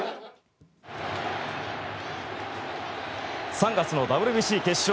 ３月のＷＢＣ決勝。